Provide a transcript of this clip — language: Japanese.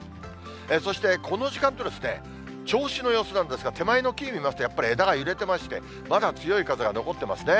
そしてこの時間の銚子の様子なんですが、手前の木を見ますと、やっぱり枝が揺れてまして、まだ強い風が残ってますね。